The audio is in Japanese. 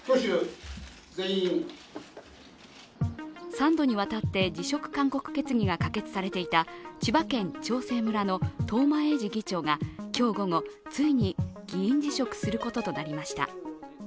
３度にわたって、辞職勧告決議が可決されていた千葉県長生村の東間永次議長が今日午後、ついに議員辞職することとなりました。